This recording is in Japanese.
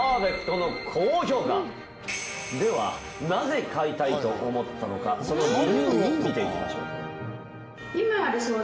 ではなぜ買いたいと思ったのかその理由を見ていきましょう。